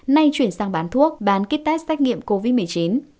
nay chuyển sang bán thuốc bán kit test tách nghiệm covid một mươi chín